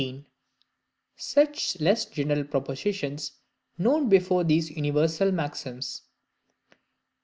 19. Such less general Propositions known before these universal Maxims.